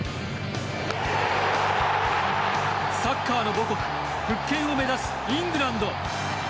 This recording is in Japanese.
サッカーの母国復権を目指すイングランド。